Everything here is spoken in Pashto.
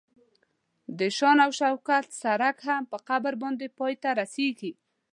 د شان او شوکت سړک هم په قبر باندې پای ته رسیږي.